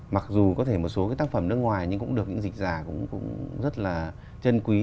mặc dù có thể một số cái tác phẩm nước ngoài nhưng cũng được những dịch giả cũng rất là chân quý